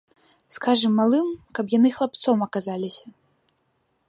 Скажам малым, каб яны хлапцом аказаліся.